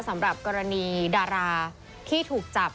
สำหรับกรณีดาราที่ถูกจับ